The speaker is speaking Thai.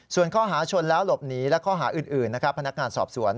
ส่วนข้อหาชนแล้วหลบหนีและข้อหาอื่นนะครับพนักงานสอบสวน